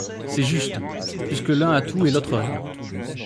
C’est juste, puisque l’un a tout et l’autre rien.